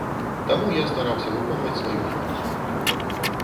Таму я стараўся выконваць сваю функцыю.